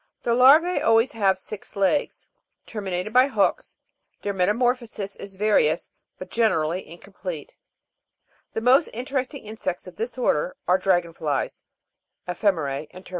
The Iarva9 always have six legs terminated by hooks ; their metamorphosis is various, but generally incomplete. The most interesting insects of this order are the Dragon flies, Ephe'merce, and Termites. 8. What are plant lice